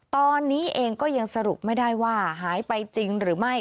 ตอนนี้เองก็ยังสรุปไม่ได้ว่าหายไปจริงหรือไม่